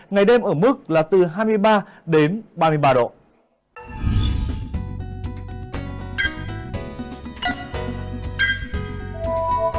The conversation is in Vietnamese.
ngày đêm ở mức là từ hai mươi ba đến ba mươi ba độ